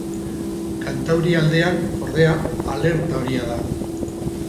Kantaurialdean, ordea, alerta horia da.